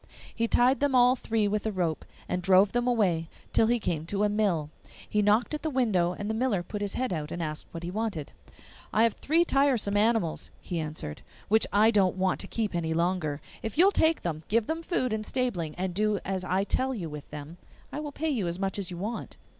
He tied them all three with a rope, and drove them away till he came to a mill. He knocked at the window, and the miller put his head out and asked what he wanted. 'I have three tiresome animals,' he answered, 'which I don't want to keep any longer. If you will take them, give them food and stabling, and do as I tell you with them, I will pay you as much as you want.